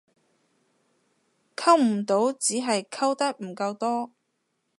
溝唔到只係溝得唔夠多